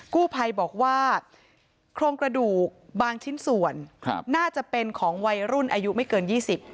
กู้ภัยบอกว่าโครงกระดูกบางชิ้นส่วนครับน่าจะเป็นของวัยรุ่นอายุไม่เกินยี่สิบ